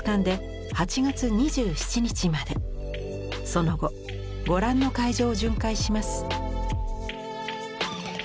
その後ご覧の会場を巡回します。